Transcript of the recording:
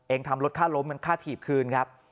ทำรถค่าล้มมันค่าถีบคืนครับ